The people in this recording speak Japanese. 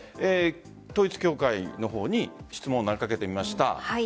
統一教会の方に質問を投げかけてみました。